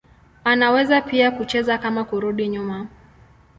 Anaweza pia kucheza kama kurudi nyuma.